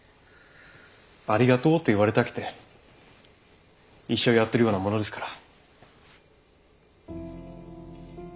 「ありがとう」と言われたくて医者をやっているようなものですから。